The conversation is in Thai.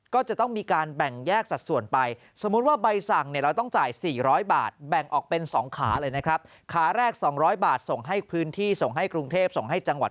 ขาแรก๒๐๐บาทส่งให้พื้นที่ส่งให้กรุงเทพฯส่งให้จังหวัด